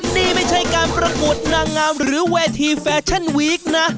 นี่ไม่ใช่การประกวดนางงามหรือเวทีแฟชั่นวีคนะ